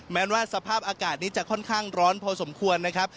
ว่าสภาพอากาศนี้จะค่อนข้างร้อนพอสมควรนะครับ